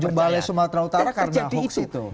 tanjung balai sumatera utara karena hoax itu